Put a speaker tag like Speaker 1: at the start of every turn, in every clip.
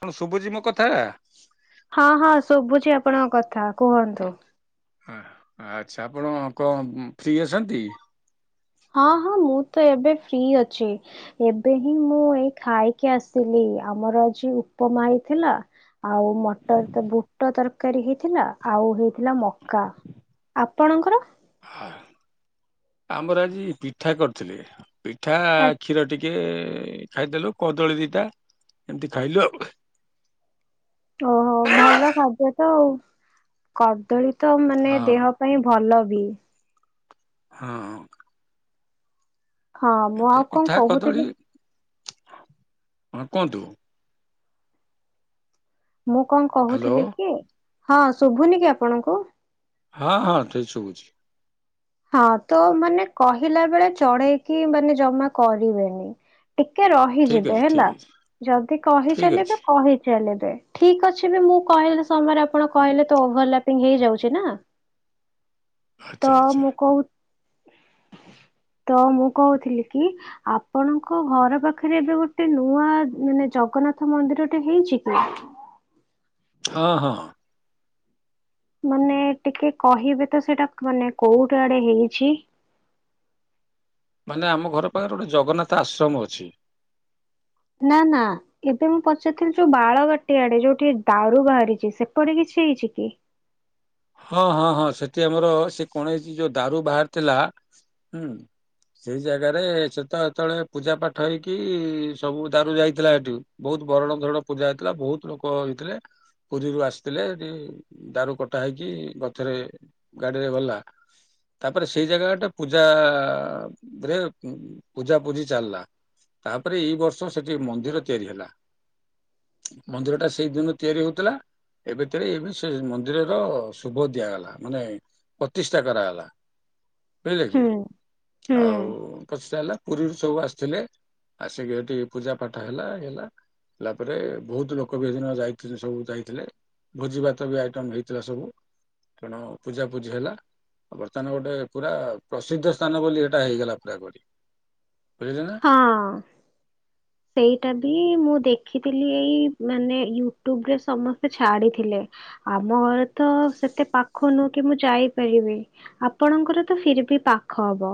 Speaker 1: କଣ ଶୁଭୁଛି ମୋ କଥା
Speaker 2: ହଁ ହଁ ଶୁଭୁଛି ଆପଣଙ୍କ କଥା କୁହନ୍ତୁ।
Speaker 1: ହଁ ଆଚ୍ଛା ଆପଣ କଣ ଫ୍ରି ଅଛନ୍ତି।
Speaker 2: ହଁ ହଁ ମୁଁ ତ ଏବେ ଫ୍ରି ଅଛି ଏବେ ହିଁ ମୁଁ ଏଇ ଖାଇକି ଆସିଲି ଆମର ଆଜି ଉପମା ହେଇଥିଲା ଆଉ ମଟର ତ ବୁଟ ତରକାରୀ ହେଇଥିଲା ଆଉ ହେଇଥିଲା ମକା ଆପଣଙ୍କର।
Speaker 1: ହ ଆମର ଆଜି ପିଠା କରିଥିଲେ। ତା କ୍ଷୀର ଟିକେ ଖାଇଦେଲୁ କଦଳୀ ଦିଟା ଏମିତି ଖାଇଲୁ ଆଉ
Speaker 2: ଓହୋ ଭଲ ଖାଦ୍ୟ ତଉ କ କଦଲୀ ତ ମାନେ
Speaker 1: ହଁ।
Speaker 2: ଦେହ ପାଇଁ ଭଲ। ହୁଁ
Speaker 1: ହଁ
Speaker 2: ହଁ ମୁଁ
Speaker 1: ଏମିତି
Speaker 2: ଆଉ କଣ
Speaker 1: ପିଠା କଦଳୀ
Speaker 2: କହୁଥିଲି।
Speaker 1: ହଁ କୁହନ୍ତୁ।
Speaker 2: ମୁଁ କଣ
Speaker 1: ହ୍ୟାଲୋ।
Speaker 2: କହୁଥିଲି କି? ହଁ ଶୁଭୁନି କି ଆପଣଙ୍କୁ।
Speaker 1: ହଁ ହଁ ଶୁବୁଛି।
Speaker 2: ହଁ ତ ମାନେ କହିଲା ବେଳେ ଚଢେଇକି ମାନେ ଜମା କହି ବେନି ଟିକେ
Speaker 1: ଠିକ
Speaker 2: ରହିଯିବେ
Speaker 1: ଅଛି ଠିକ
Speaker 2: ହେଲା
Speaker 1: ଅଛି
Speaker 2: ଯଦି
Speaker 1: ଠିକ ଅଛି
Speaker 2: କହିଚାଲିବେ କହିଚାଲିବେ। ଠିକ ଅଛି ବି ମୁଁ କହିଲେ ସମୟରେ ଆପଣ କହିଲେ ତ ଓଭରଲାପିଙ୍ଗ ହେଇଯାଉଛି ନା। ତ
Speaker 1: ଆଛା ଆଛା
Speaker 2: ମୁଁ କହୁ ତ ମୁଁ କହୁଥିଲି କି ଆପଣଙ୍କ ଘର ପାଖରେ ଏବେ ଗୋଟେ ନୂଆ ମାନେ ଜଗନ୍ନାଥ ମନ୍ଦିରଟେ ହେଇଛି କି?
Speaker 1: ହଁ ହଁ
Speaker 2: ମାନେ ଟିକେ କହିବେ ତ ସେଇଟା ମାନେ କୋଉଟି ଆଡେ ହେଇଛି।
Speaker 1: ମାନେ ଆମ ଘର ପାଖରେ ଗୋଟେ ଜଗନ୍ନାଥ ଆଶ୍ରମ ଅଛି।
Speaker 2: ନା ନା ଏବେ ମୁଁ ପଚାରଥିଲି ଯୋଉ ବାଳ ବାଟି ଆଡେ ଯୋଉଠି ଦାରୁ ବାହାରିଛି ସେପଟେ କିଛି ହେଇଛି କି?
Speaker 1: ହଁ ହଁ ହଁ ସେଠି ଆମର ସେ କଣ ହେଇଛି ଯୋଉ ଦାରୁ ବାହାରି ଥିଲା ହୁଁ ସେଇ ଜାଗାରେ ସେ ତ ଯେତେବେଳେ ପୂଜା ପାଠ ହେଇକି ସବୁ ଦାରୁ ଯାଇଥିଲା ଏଠି ବହୁତ ବରଣ ଧରଣ ପୂଜା ହେଇଥିଲା ବହୁତ ଲୋକ ହେଇଥିଲେ ପୁରୀରୁ ଆସିଥିଲେ ଏଠି ଦାରୁ କଟା ହେଇକି ଗଛରେ ଗାଡିରେ ଗଲା ତାପରେ ସେଇ ଜାଗାଟା ପୂଜରେ ପୂଜା ପୂଜି ଚାଲିଲା ତାପରେ ଏଇ ବର୍ଷ ସେଠି ମନ୍ଦିର ତିଆରି ହେଲା ମନ୍ଦିର ଟା ସେଇ ଦିନ ତିଆରି ହଉଥିଲା ଏବେତୀରେ ସେ ମନ୍ଦିରର ଶୁଭ ଦିଆଗଲା ମାନେ ପ୍ରତିଷ୍ଠା କରାଗଲା। କଇ [unintelligible] ଦେଖି
Speaker 2: ହୁଁ ହୁଁ
Speaker 1: ଆଉ କଛ ଚା ହେଲା। ପୁରୀରୁ ସବୁ ଆସିଥିଲେ ଆସିକି ଏଠି ପୂଜାପାଠ ହେଲା ହେଲା ହେଲା ପରେ ବହୁତ ଲୋକ ବି ସେଦିନ ଯାଇ ସବୁ ଯାଇଥିଲେ ଭୋଜିଭାତ ବି ଆଇଟମ୍ ହେଇଥିଲା ସବୁ। ତେଣୁ ପୂଜା ପୂଜି ହେଲା ବର୍ତ୍ତମାନ ଗୋଟେ ପୁରା ପ୍ରସିଦ୍ଧ ସ୍ଥାନ ବୋଲି ଏଇଟା ହେଇଗଲା ପୁରାପୁରି।
Speaker 2: ହଁ ସେଇଟା ବି ମୁଁ ଦେଖ ଦେଖିଥିଲି ଏଇ ମାନେ ୟୁଟ୍ୟୁବ ରେ ସମସ୍ତେ ଛାଡିଥିଲେ ଆମ ଘରେ ତ ସେତେ ପାଖ ନୁହେଁ କି ମୁଁ ଯାଇପାରିବି ଆପଣଙ୍କର ତ ଫିର ବି ପାଖ ହବ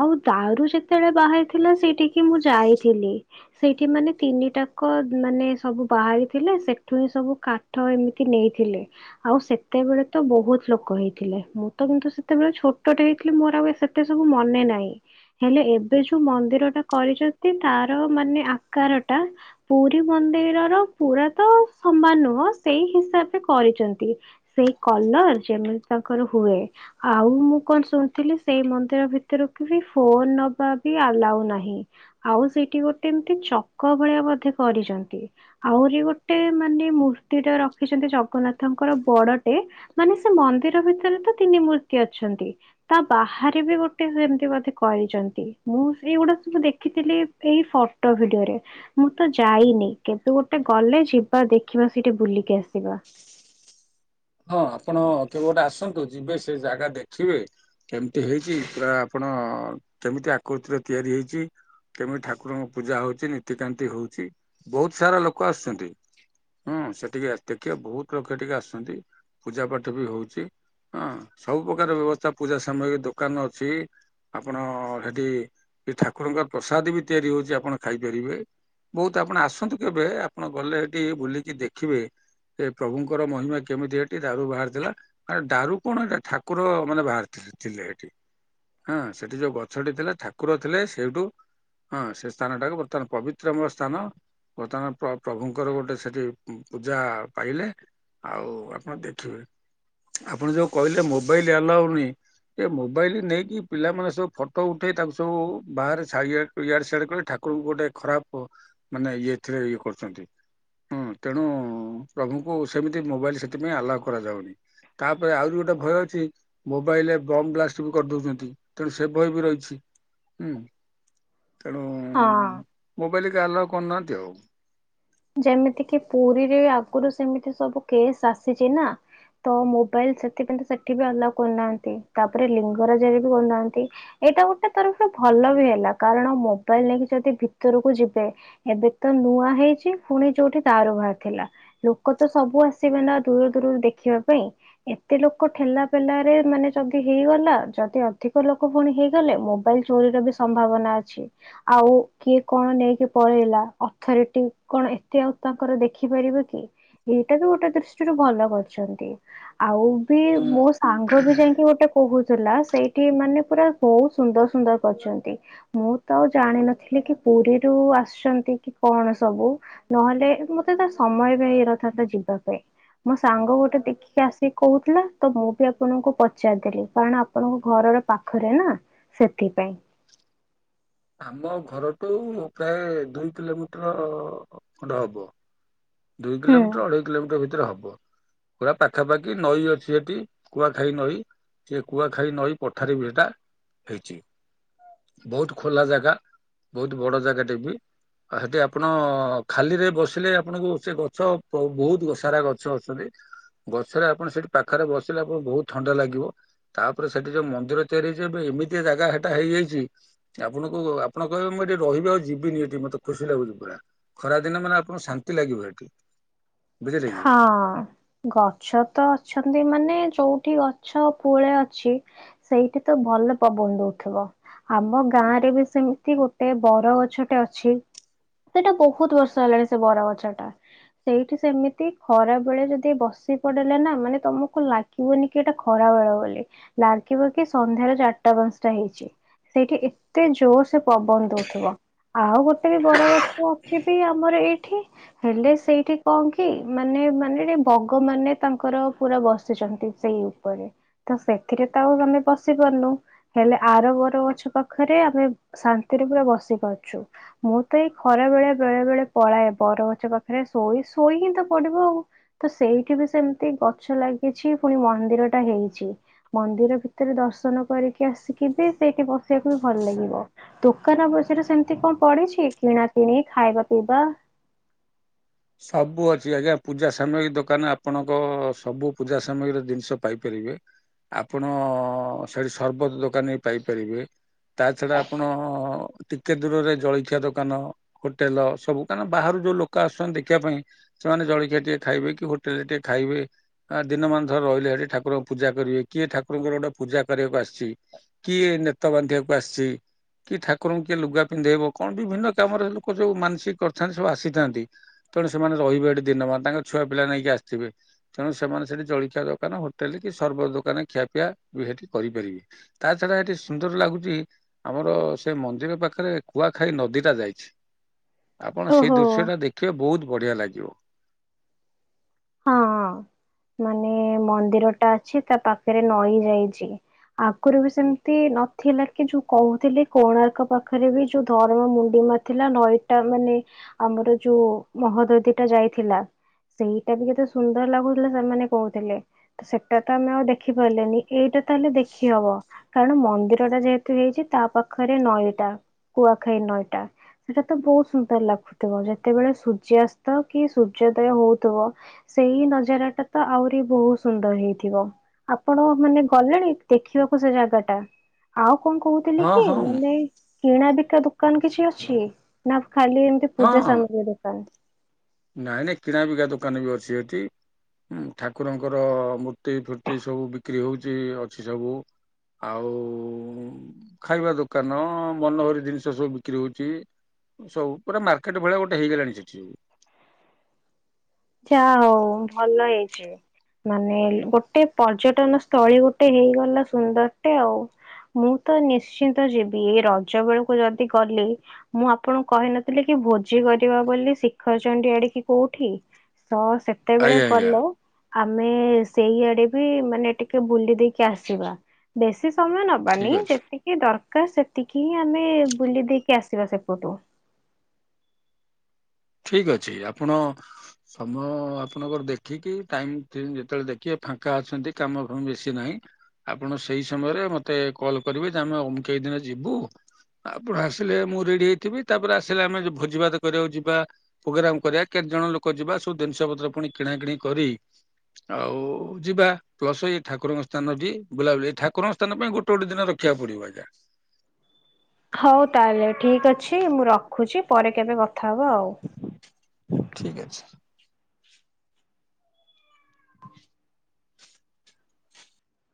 Speaker 2: ଆଉ ଦାଉରୁ ଯେତେବେଳେ ବାହା ଥିଲା ସେଇଠିକି ମୁଁ ଯାଇଥିଲି ସେଇଠି ମାନେ ତିନିଟାକ ମାନେ ସବୁ ବାହାରିଥିଲେ ସେଠୁ ହିଁ ସବୁ କାଠ ଏମିତି ନେଇଥିଲେ ଆଉ ସେତେବେଳେ ତ ବହୁତ ଲୋକ ହେଇଥିଲେ ମୁଁ ତ କିନ୍ତୁ ସେତେବେଳେ ଛୋଟଟେ ହେଇଥିଲି ମୋର ଆଉ ସେତେ ସବୁ ମନେ ନାହିଁ ହେଲେ ଏବେ ଯୋଉ ମନ୍ଦିର ଟା କରିଛନ୍ତି ତାର ମାନେ ଆକାର ଟା ପୁରୀ ମନ୍ଦିରର ପୁରା ତ ସମାନ ନୁହଁ ସେଇ ହିସାବରେ କରିଛନ୍ତି ସେଇ କଲର ଯେମିତି ତାଙ୍କର ହୁଏ ଆଉ ମୁଁ କଣ ଶୁଣିଥିଲି ସେଇ ମନ୍ଦିର ଭିତରକୁ ବି ଫୋନ ନବା ଆଲାଉ ନାହିଁ ଆଉ ସେଇଠି ଗୋଟେ ଏମିତି ଚକ ଭଳିଆ ବୋଧେ କରିଛନ୍ତି ଆହୁରି ଗୋଟେ ମାନେ ମୂର୍ତ୍ତି ଟା ରଖିଛନ୍ତି ଜଗନ୍ନାଥଙ୍କର ବଡଟେ ମାନେ ସେ ମନ୍ଦିର ଭିତରେ ତ ତିନି ମୂର୍ତ୍ତି ଅଛନ୍ତି ତା ବାହାରେ ବି ଗୋଟେ ସେମିତି ବୋଧେ କରିଛନ୍ତି। ମୁଁ ଏଇଗୁଡା ସବୁ ଦେଖିଥିଲି ଏଇ ଫଟୋ ଭିଡିଓରେ ମୁଁ ତ ଯାଇନି କେବେ ଗୋଟେ ଗଲେ ଯିବା ଦେଖିବା ସେଇଠି ବୁଲିକି ଆସିି ଆସିବା
Speaker 1: ହଁ ଆପଣ କେବେ ଗୋଟେ ଆସନ୍ତୁ ଯିବେ ସେ ଜାଗା ଦେଖିବେ କେମିତି ହେଇଛି ପୁରା ଆପଣ କେମିତି ଆକୃତିର ତିଆରି ହେଇଛି କେମିତି ଠାକୁରଙ୍କ ପୂଜା ହଉଛି ନୀତିକାନ୍ତି ହଉଛି ବହୁତ ସାରା ଲୋକ ଆସୁଛନ୍ତି ହୁଁ ସେଠିକେ ଦେଖିବ ବହୁତ ଲୋକ ଟିକେ ଆସୁଛନ୍ତି। ପୂଜା ପାଠ ବି ହଉଛି ହଁ ସବୁପକାର ବ୍ୟବସ୍ଥା ପୂଜା ସାମଗ୍ରୀ ଦୋକାନ ଅଛି ଆପଣ ସେଠି ଠାକୁରଙ୍କର ପ୍ରସାଦ ବି ତିଆରି ହଉଛି ଆପଣ ଖାଇପାରିବେ ବହୁତ ଆପଣ ଆସନ୍ତୁ କେବେ ଆପଣ ଗଲେ ସେଠି ବୁଲିକି ଦେଖିବେ ଏ ପ୍ରଭୁଙ୍କର ମହିମା କେମିତି ଏଠି ଦାରୁ ବାହାରିଥିଲା ଦାରୁ କଣ ଠାକୁର ମାନେ ବାହାରି ଥିଲେ ଏଠି ହଁ ସେଠି ଯୋଉ ଗଛଟି ଥିଲେ ଠାକୁର ଥିଲେ ସେଇଠୁ ହଁ ସେ ସ୍ଥାନଟାକୁ ବର୍ତ୍ତମାନ ପବିତ୍ରମ ସ୍ଥାନ ବର୍ତ୍ତମାନ ପ୍ରଭୁଙ୍କର ଗୋଟେ ସେଠି ପୂଜା ପାଇଲେ। ଆଉ ଆପଣ ଦେଖିବେ ଆପଣ ଯୋଉ କହିଲେ ମୋବାଇଲ ଆଲାଉ ନାହିଁ ଏ ମୋବାଇଲ ନେଇକି ପିଲାମାନେ ସବୁ ଫଟୋ ଉଠେଇ ତାକୁ ସବୁ ବାହାରେ ଇଆଡେ ସିଆଡେ କଲେ ଠାକୁରଙ୍କୁ ଗୋଟେ ଖରାପ ମାନେ ଇଏଥିରେ ଇଏ କରୁଛନ୍ତି ହୁଁ ତେଣୁ ପ୍ରଭୁଙ୍କୁ ସେମିତି ମୋବାଇଲ ସେଥି ପାଇଁ ଆଲାଓ କରାଯାଉନି। ତାପରେ ଆହୁରି ଗୋଟେ ଭୟ ଅଛି ମୋବାଇଲରେ ବମ୍ ବ୍ଲାଷ୍ଟ ବି କରିଦଉଛନ୍ତି। ତେଣୁ ସେ ବହି ବି ରହିଛି ହୁଁ। ତେଣୁ
Speaker 2: ହଁ
Speaker 1: ମୁଁ କହିଲି ଆଲାଉ କରୁ ନାହାନ୍ତି ଆଉ।
Speaker 2: ଯେମିତିକ ପୁରୀରେ ଆଗରୁ ସେମିତି ସବୁ କେସ୍ ଆସିଛି ନା ତ ମୋବାଇଲ ସେଥିପାଇ ତ ସେଠି ବି ଅଲଗ କରୁନାହାନ୍ତି ତାପରେ ଲିଙ୍ଗରାଜରେ ବି କରୁନାହାନ୍ତି ଏଇଟା ଗୋଟେ ତରଫରୁ ଭଲ ବି ହେଲା କାରଣ ମୋବାଇଲ ନେଇକି ଯଦି ଭିତରକୁ ଯିବେ ଏବେ ତ ନୂଆ ହେଇଛି। ପୁଣି ଯୋଉଠି ଦାରୁ ବାହାରି ଥିଲା ଲୋକ ତ ସବୁ ଆସିବେ ନା ଦୂର ଦୂରରୁ ଦେଖିବା ପାଇଁ ଏତେ ଲୋକ ଠେଲା ପେଲାରେ ମାନେ ଯଦି ହେଇଗଲା ଯଦି ଅଧିକ ଲୋକ ପୁଣି ହେଇଗଲେ ମୋବାଇଲ ଚୋରିର ବି ସମ୍ଭାବନା ଅଛି ଆଉ କିଏ କଣ ନେଇକି ପଳେଇଲା ଅଥରିଟି କଣ ଏତେ ଆଉ ତାଙ୍କର ଦେଖିପାରିବ କି ଏଇଟା ବି ଗୋଟେ ଦୃଷ୍ଟିରୁ ଭଲ କରିଛନ୍ତି ଆଉ ବି
Speaker 1: ହଁ
Speaker 2: ମୋ ସାଙ୍ଗ ବି ଯାଇକି ଗୋଟେ କହୁଥିଲା ସେଇଠି ମାନେ ପୁରା ବହୁତ ସୁନ୍ଦର ସୁନ୍ଦର କରିଛନ୍ତି ମୁଁ ତ ଆଉ ଜାଣିିନଥିଲି କି ପୁରୀରୁ ଆସିଛନ୍ତି କି କଣ ସବୁ? ନହେଲେ ମତେ ତା ସମୟ ବି ହେଇନଥାନ୍ତା ଯିବା ପାଇଁ ମୋ ସାଙ୍ଗ ଗୋଟେ ଦେଖିକି ଆସିକି କହୁଥିଲା ତ ମୁଁ ବି ଆପଣଙ୍କୁ ପଚାରିଦେଲି କାରଣ ଆପଣଙ୍କ ଘରର ପାଖରେ ନା ସେଥିପାଇଁ।
Speaker 1: ଆମ ଘରଠୁ ପ୍ରାୟ ଦୁଇ କିଲୋମିଟର ଗଡ ହବ। ଦୁଇ
Speaker 2: ହୁଁ।
Speaker 1: କିଲୋମଟର ଅଢେଇ କିଲୋମିଟର ଭିତ ରେ ହବ ପୁରା ପାଖାପାଖି ନଈ ଅଛି ସେଠି କୁଆଖାଇ ନଈ ସେ କୁଆ ଖାଇ ନଈ ପଠାରେ ବି ସେଟା ହେଇଛି। ବହୁତ ଖୋଲା ଜାଗା ବହୁତ ବଡ ଜାଗାଟେ ବି ଆଉ ସେଠି ଆପଣ ଖାଲିରେ ବସିଲେ ଆପଣଙ୍କୁ ସେ ଗଛ ବହୁତ ସାରା ଗଛ ଅଛନ୍ତି ଗଛରେ ଆପଣ ସେଠି ପାଖରେ ବସିଲେ ଆପଣଙ୍କୁ ବହୁତ ଥଣ୍ଡା ଲାଗିବ ତାପରେ ସେଠି ଯୋଉ ମନ୍ଦିର ତିଆରି ହେଇଛି ଏବେ ଏମିତି ଜାଗା ସେଟା ହେଇଯାଇଛି ଆପଣଙ୍କୁ ଆପଣ କହିବେ ମୁଁ ଏଠି ରହିବି ଆଉ ଯିବିନି ଏଠି ମତେ ଖୁସି ଲାଗୁଛି ପୁରା ଖରା ଦିନେ ମାନେ ଆପଣଙ୍କୁ ଶାନ୍ତି ଲାଗିବ ଏଠି। ବୁଝିଲେ କି?
Speaker 2: ହଁ ଗଛ ତ ଅଛନ୍ତି ମାନେ ଯୋଉଠି ଗଛ ପୁଳେ ଅଛି ସେଇଠି ତ ଭଲ ପବନ ଦଉଥିବ ଆମ ଗାଁ ରେ ବି ସେମିତି ଗୋଟେ ବର ଗଛଟେ ଅଛି ସେଟା ବହୁତ ବର୍ଷ ହେଲାଣି ସେ ବରଗଛ ଟା ସେଇଠି ସେମିତି ଏ ଖରା ବେଳେ ଯଦି ବସି ପଡିଲା ନା ମାନେ ତମକୁ ଲାଗିବନି କି ଏଇଟା ଖରା ବେଳେ ବୋଲି ଲାଗିବ କି ସନ୍ଧ୍ୟାରେ ଚାରିଟା ପାଞ୍ଚଟା ହେଇଛି ସେଇଠି ଏତେ ଜୋର ସେ ପବନ ଦଉଥିବ ଆଉ ଗୋଟେ ବି ବରଗଛ ଅଛି ବି ଆମର ଏଇଠି ହେଲେ ସେଇଠି କଣ କି କି ମାନେ ମାନେ ବଗ ମାନେ ତାଙ୍କର ପୁରା ବସିଛନ୍ତି ସେଇ ଉପରେ ତ ସେଥିରେ ତ ଆଉ ଆମେ ବସି ପାରୁନୁ ହେଲେ ଆର ବର ଗଛ ପାଖରେ ଆମେ ଶାନ୍ତିରେ ପୁରା ବସି ପାରୁଛୁ ମୁଁ ତ ଏଇ ଖରା ବେଳେ ବେଳେ ବେଳେ ପଳାଏ ବରଗଛ ପାଖରେ ଶୋଇ। ଶୋଇକି ତ ପଡିବ ଆଉ ତ ସେଇଠି ବି ସେମିତି ଗଛ ଲାଗିଛି ପୁଣି ମନ୍ଦିର ଟା ହେଇଛି ମନ୍ଦିର ଭିତରେ ଦର୍ଶନ କରିକି ଆସିକି ବି ସେଇଠି ବସିବାକୁ ବି ଭଲ ଲାଗିବ ଦୋକାନ ବଜରେ ସେମିତି କଣ ପଡିଛି କିଣା କିିଣି ଖାଇବା ପିଇବା।
Speaker 1: ସବୁ ଅଛି ଆଜ୍ଞା ପୂଜା ସାମୟଗ୍ରୀ ଦୋକାନ ଆପଣଙ୍କ ସବୁ ପୂଜା ସାମଗ୍ରୀର ଜିନିଷ ପାଇପାରିବେ ଆପଣ ସେଠି ସରବତ ଦୋକାନ ପାଇପାରିବେ ତା ଛଡା ଆପଣ ଟିକେ ଦୂରରେ ଜଳଖିଆ ଦୋକାନ ହୋଟେଲ ସବୁ କାହିଁକନା ବାହାରୁ ଯୋଉ ଲୋକ ଆସିଛନ୍ତି। ଶିଖିବା ପାଇଁ ସେମାନେ ଜଳଖିଆ ଟିକେ ଖାଇବେ କି ହୋଟେଲରେ ଟିକେ ଖାଇବେ ଦିନମାନ ଥର ରହିଲେ ହେଠି ଠାକୁରଙ୍କୁ ପୂଜା କରିବେ କିଏ ଠାକୁରଙ୍କର ଗୋଟେ ପୂଜା କରିବାକୁ ଆସିଛି କିଏ ନେତ ବାନ୍ଧିବାକୁ ଆସିଛି କିଏ ଠାକୁରଙ୍କୁ କିଏ ଲୁଗା ପିନ୍ଧେଇବ କଣ ବିଭିନ୍ନ କାମରେ ଲୋକ ଯୋଉ ମାନସିକ କରିଥାନ୍ତି ସବୁ ଆସିଥାନ୍ତି। ତେଣୁ ସେମାନେ ରହିବେ ଏଠି ଦିନମାନ। ତାଙ୍କ ଛୁଆ ପିଲା ନେଇକି ଆସିଥିବେ ତେଣୁ ସେମାନେ ସେଠି ଜଳଖିଆ ଦୋକାନ ହୋଟେଲ କି ସରବ ଦୋକାନ ଖିଆପିଆ ବି ସେଠି କରିପାରିବେ ତା ଛଡା ସେଠି ସୁନ୍ଦର ଲାଗୁଛି ଆମର ସେ ମନ୍ଦିର ପାଖରେ କୁଆଖାଇ ନଦୀଟା ଯାଇଛି। ଆପଣ ସେଇ
Speaker 2: ଓହୋ।
Speaker 1: ଦୃଶ୍ୟ ଟା ଦେଖି ବହୁତ ବଢିଆ ଲାଗିବ।
Speaker 2: ହଁ ମାନେ ମନ୍ଦିର ଟା ଅଛି ତା ପାଖରେ ନଈ ଯାଇଛି ଆଗରୁ ବି ସେମିତି ନଥିଲା କି ଯୋଉ କହୁଥିଲି କୋଣାର୍କ ପାଖରେ ବି ଯୋଉ ଧର୍ମ ମୁଣ୍ଡିମାରି ଥିଲା ନଈ ଟା ମାନେ ଆମର ଯୋଉ ମହୋଦଧିଟା ଯାଇଥିଲା ସେଇ ଏଇଟା ବି କେତେ ସୁନ୍ଦର ଲାଗୁଥିଲା ସେମାନେ କହୁଥିଲେ ତ ସେଟା ତ ଆମେ ଆଉ ଦେଖିପାରିଲେନି ଏଇଟା ତାହେଲେ ଦେଖି ହବ କାରଣ ମନ୍ଦିର ଟା ଯେହେତୁ ହେଇଛି ତା ପାଖରେ ନଈଟା କୁଆଖାଇ ନଈଟା ସେଟା ତ ବହୁତ ସୁନ୍ଦର ଲାଗୁଥିବ ଯେତେବେଳେ ସୂର୍ଯ୍ୟାସ୍ତ କି ସୂର୍ଯ୍ୟୋଦୟ ହଉଥିବ ସେଇ ନଜର ଟା ତ ଆହୁରି ବହୁତ ସୁନ୍ଦର ହେଇଥିବ ଆପଣ ମାନେ ଗଲେଣି ଦେଖିବାକୁ ସେ ଜାଗା ଟା ଆଉ କଣ କହୁଥିଲି
Speaker 1: ହଁ
Speaker 2: କି
Speaker 1: ହଁ
Speaker 2: ମାନେ କିଣା ବିକା ଦୋକାନ କଣ କିଛି ଅଛି ନା ଖାଲି ଏମିତି ପୂଜା
Speaker 1: ହଁ।
Speaker 2: ସାମଗ୍ରୀ ଦୋକାନ।
Speaker 1: ନାଇଁ ନାଇଁ କିଣାବିକା ଦୋକାନ ବି ଅଛି ସେଠି ଠାକୁରଙ୍କର ମୂର୍ତ୍ତି ଫୁର୍ତ୍ତି ସବୁ ବିକ୍ରି ହଉଛି ଅଛି ସବୁ ଆଉ ଖାଇବା ଦୋକାନ ମନୋହରି ଜିନିଷ ସବୁ ବିକ୍ରି ହଉଛି ସବୁ ପୁରା ମାର୍କେଟ ଭଳିଆ ଗୋଟେ ହେଇଗଲାଣି ସେଠି
Speaker 2: ଯାହା ହଉ ଭଲ ହେଇଛି ମାନେ ଗୋଟେ ପର୍ଯ୍ୟଟନ ସ୍ଥଳୀ ଗୋଟେ ହେଇଗଲା ସୁନ୍ଦରଟେ ଆଉ ମୁଁ ତ ନିଶ୍ଚିନ୍ତ ଯିବି ଏଇ ରଜ ବେଳକୁ ଯଦି ଗଲି ମୁଁ ଆପଣଙ୍କୁ କହିନଥିଲି କି ଭୋଜି କରିବା ବୋଲି ଶ ଖଚଛନ୍ତି ଆଡିକି କୋଉଠି। ହଁ ସେତେବେଳେ
Speaker 1: ଆଜ୍ଞା ଆଜ୍ଞା
Speaker 2: ଗଲେ ଆମେ ସେଇଆଡେ ବି ମାନେ ଟିକେ ବୁଲି ଦେଇକି ଆସିବା ବେଶୀ କି ସମୟ
Speaker 1: ଠିକ
Speaker 2: ନବାନି
Speaker 1: ଅଛି।
Speaker 2: ଯେତିକି ଦରକାର ସେତିକି ହିଁ ଆମେ ବୁଲି ଦେଇକି ଆସିବା ସେପଟୁ।
Speaker 1: ଠିକ୍ ଅଛି ଆପଣ ସମୟ ଆପଣଙ୍କର ଦେଖିକି ଟାଇମ ଯେତେବେଳେ ଦେଖିବେ ଫାଙ୍କା ଅଛନ୍ତି କାମଫାମ ବେଶୀ ନାହିଁ ଆପଣ ସେଇ ସମୟରେ ମୋତେ କଲ୍ କରିବେ ଯେ ଆମେ ଅମିକେଇ ଦିନ ଯିବୁ ଆପଣ ଆସିଲେ ମୁଁ ରେଡ଼ି ହେଇଥିବି ତାପରେ ଆସିଲେ ଆମେ ଭୋଜିଭାତ କରିବାକୁ ଯିବା ପ୍ରୋଗ୍ରାମ କରିବା କେତେ ଜଣ ଲୋକ ଯିବା ସବୁ ଜିନିଷ ପତ୍ର ପୁଣି କିଣା କିିଣି କରି ଆଉ ଯିବା ପ୍ଲସ ଏଇ ଠାକୁରଙ୍କ ସ୍ଥାନ ବି ବୁଲାବୁଲି ଏଇ ଠାକୁରଙ୍କ ସ୍ଥାନ ପାଇଁ ଗୋଟେ ଗୋଟେ ଦିନ ରଖିବାକୁ ପଡିବ ଆଜ୍ଞା।
Speaker 2: ହଉ ତାହେଲେ ଠିକ ଅଛି ମୁଁ ରଖୁଛି। ପରେ କେବେ କ
Speaker 1: ଠିକ ଅଛି।